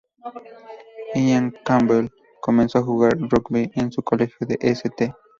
Ian Campbell comenzó a jugar rugby en su colegio, el St.